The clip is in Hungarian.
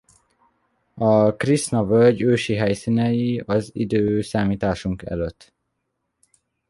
A Krisna-völgy ősi helyszínei az i.e.